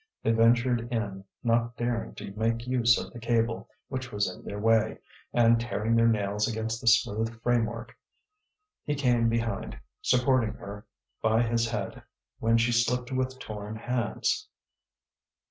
They ventured in, not daring to make use of the cable which was in their way, and tearing their nails against the smooth framework. He came behind, supporting her by his head when she slipped with torn hands.